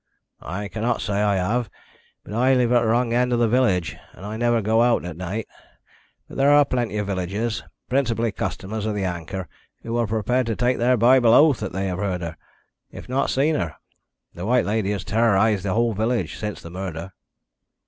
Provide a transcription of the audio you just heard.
"I cannot say I have, but I live at the wrong end of the village, and I never go out at night. But there are plenty of villagers, principally customers of the Anchor, who are prepared to take their Bible oath that they have heard her if not seen her. The White Lady has terrorised the whole village since the murder."